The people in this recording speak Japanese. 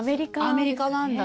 アメリカなんだ